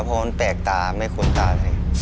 เพราะมันแตกตาไม่ควรตาเลย